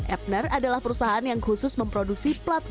ebner adalah perusahaan yang khusus memproduksi plat emas